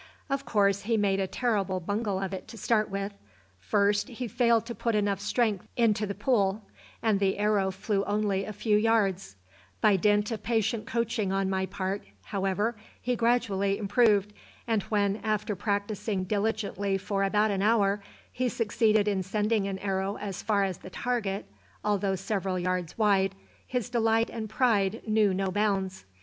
Of course he made a terrible bungle of it to start with. First, he failed to put enough strength into the pull, and the arrow flew only a few yards; by dint of patient coaching on my part, however, he gradually improved, and when, after practising diligently for about an hour, he succeeded in sending an arrow as far as the target although several yards wide his delight and pride knew no bounds.